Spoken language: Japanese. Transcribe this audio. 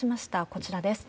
こちらです。